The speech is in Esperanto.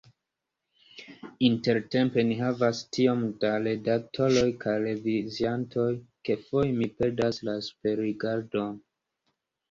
Intertempe ni havas tiom da redaktoroj kaj reviziantoj, ke foje mi perdas la superrigardon.